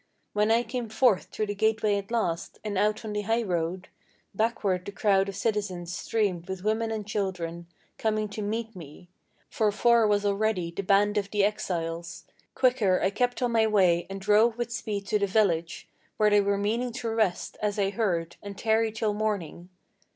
When I came forth through the gateway at last, and out on the high road, Backward the crowd of citizens streamed with women and children, Coming to meet me; for far was already the band of the exiles. Quicker I kept on my way, and drove with speed to the village, Where they were meaning to rest, as I heard, and tarry till morning.